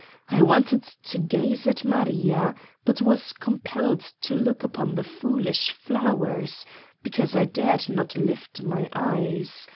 I wanted to gaze at Maria but was com pelled to look upon the foolish flowers because I dared not lift my eyes.